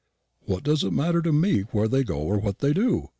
"What does it matter to me where they go or what they do?"